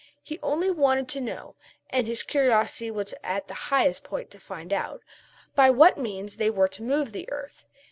He only wanted to know, and his curiosity was at the highest point to find out, by what means they were to move the earth.